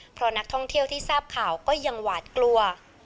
เพราะนักท่องเที่ยวที่ทราบข่าวก็ยังหวาดกลัว